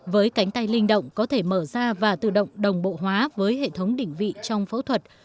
với cánh tay linh động có thể mở ra và tự động đồng bộ hóa với hệ thống đỉnh vị trong phẫu thuật